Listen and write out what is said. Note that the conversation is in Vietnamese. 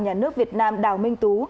nhà nước việt nam đào minh tú